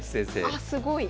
あっすごい。